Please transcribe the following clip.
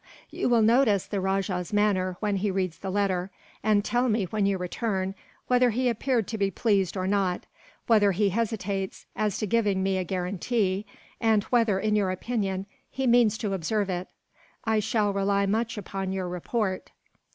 You will notice the rajah's manner, when he reads the letter; and tell me, when you return, whether he appeared to be pleased or not, whether he hesitates as to giving me a guarantee, and whether, in your opinion, he means to observe it. I shall rely much upon your report."